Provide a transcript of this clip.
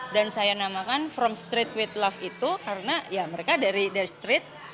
dan saya namakan from street with love itu karena mereka dari street